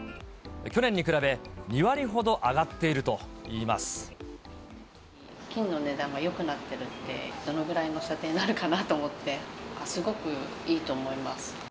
去年に比べ、２割ほど上がってい金の値段がよくなってるって、どのぐらいの査定になるかなと思って、すごくいいと思います。